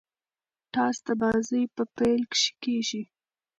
ټاس د بازۍ په پیل کښي کیږي.